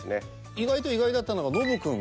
意外と意外だったのがノブくん。